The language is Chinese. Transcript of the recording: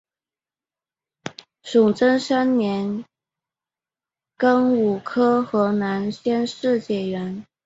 崇祯三年庚午科河南乡试解元。